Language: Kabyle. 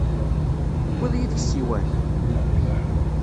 Tewwiḍ yid-k ssiwan?